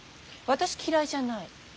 私嫌いじゃない。